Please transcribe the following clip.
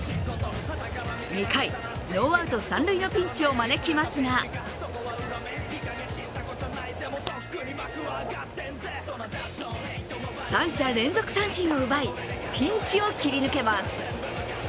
２回、ノーアウト三塁のピンチを招きますが３者連続三振を奪い、ピンチを切り抜けます。